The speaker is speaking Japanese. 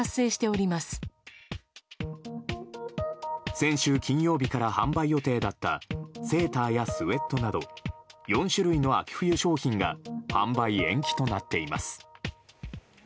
先週金曜日から販売予定だったセーターやスウェットなど４種類の秋冬商品が販売延期となっています。